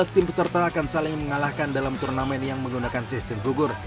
dua belas tim peserta akan saling mengalahkan dalam turnamen yang menggunakan sistem gugur